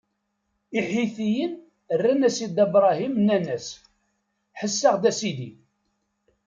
Iḥitiyen rran-as i Dda Bṛahim, nnan-as: Ḥess-aɣ-d, a sidi!